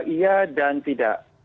iya dan tidak